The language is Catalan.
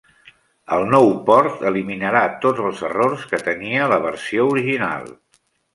El nou port eliminarà tots els errors que tenia la versió original.